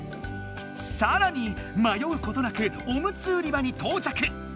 さらにまようことなくおむつ売り場にとうちゃく。